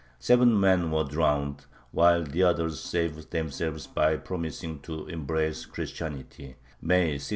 Seven men were drowned, while the others saved themselves by promising to embrace Christianity (May, 1637).